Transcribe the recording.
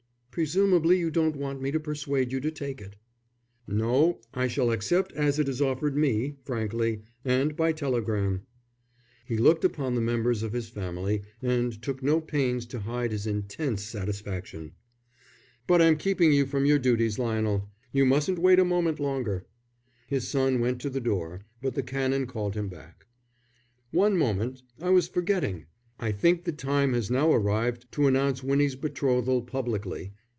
"Presumably you don't want me to persuade you to take it." "No, I shall accept as it is offered me, frankly and by telegram." He looked upon the members of his family and took no pains to hide his intense satisfaction. "But I'm keeping you from your duties, Lionel. You mustn't wait a moment longer." His son went to the door, but the Canon called him back. "One moment, I was forgetting. I think the time has now arrived to announce Winnie's betrothal publicly.